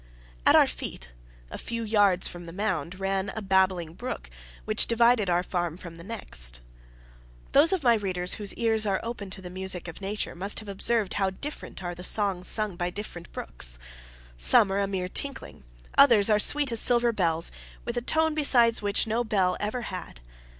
At our feet, a few yards from the mound, ran a babbling brook, which divided our farm from the next. Those of my readers whose ears are open to the music of Nature, must have observed how different are the songs sung by different brooks. Some are a mere tinkling, others are sweet as silver bells, with a tone besides which no bell ever had.